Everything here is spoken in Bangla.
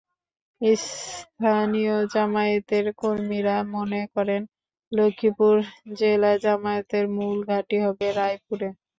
স্থানীয় জামায়াতের কর্মীরা মনে করেন, লক্ষ্মীপুর জেলায় জামায়াতের মূল ঘাঁটি হবে রায়পুরে।